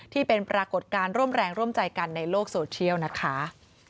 ที่เป็นปรากฏการณ์ร่วมแรงร่วมใจกันในโลกโซเชียลนะคะ